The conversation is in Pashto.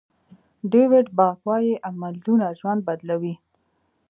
ډویډ باک وایي عملونه ژوند بدلوي.